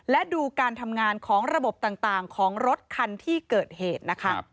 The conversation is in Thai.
และดูการทำงานของระบบต่างของรถคันที่เกิดเหตุนะคะ